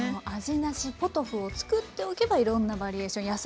味なしポトフを作っておけばいろんなバリエーション